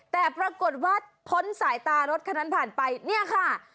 แต่ปรากฏว่าพ้นสายตารถคันนั้นผ่านไปเนี่ยค่ะ